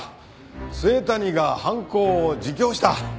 末谷が犯行を自供した。